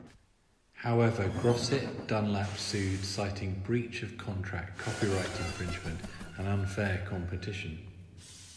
However, Grosset and Dunlap sued, citing "breach of contract, copyright infringement, and unfair competition".